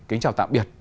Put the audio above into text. kính chào tạm biệt